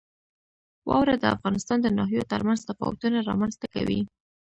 واوره د افغانستان د ناحیو ترمنځ تفاوتونه رامنځ ته کوي.